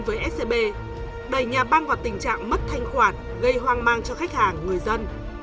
với scb đẩy nhà băng vào tình trạng mất thanh khoản gây hoang mang cho khách hàng người dân